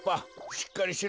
しっかりしろ。